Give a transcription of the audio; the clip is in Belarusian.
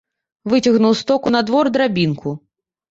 Выцягнуў з току на двор драбінку.